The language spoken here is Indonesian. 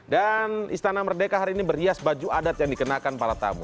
dan istana merdeka hari ini berhias baju adat yang dikenakan para tamu